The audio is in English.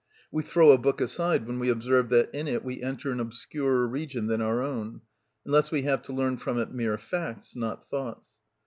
We throw a book aside when we observe that in it we enter an obscurer region than our own, unless we have to learn from it mere facts, not thoughts.